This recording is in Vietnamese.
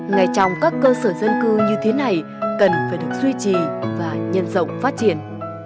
ngay trong các cơ sở dân cư như thế này cần phải được duy trì và nhân rộng phát triển